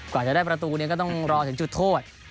พอจะได้ประตูนี้ก็ต้องรอถึงจุดโทษ